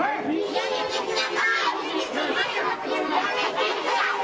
やめてくださーい！